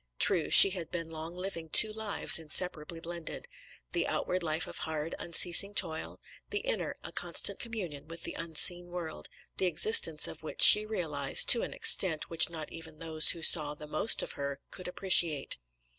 True, she had been long living two lives inseparably blended: the outward life of hard, unceasing toil; the inner, a constant communion with the unseen world, the existence of which she realised to an extent which not even those who saw the most of her could appreciate.